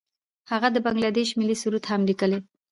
هغه د بنګله دیش ملي سرود هم لیکلی.